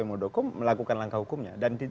muldoko melakukan langkah hukumnya dan